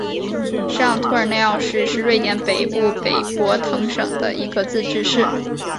上托尔内奥市是瑞典北部北博滕省的一个自治市。